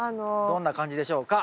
どんな漢字でしょうか？